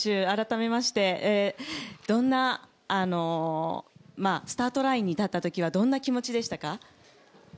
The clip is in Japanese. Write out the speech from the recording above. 改めましてスタートラインに立った時はどんな気持ちでしたか？